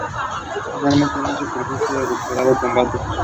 Finalmente no se produjo el esperado combate.